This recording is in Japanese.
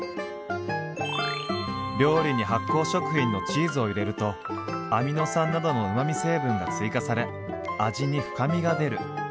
「料理に発酵食品のチーズを入れるとアミノ酸などのうまみ成分が追加され味に深みが出る」。